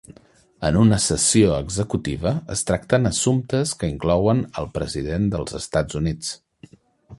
En una sessió executiva es tracten assumptes que inclouen al President dels Estats Units.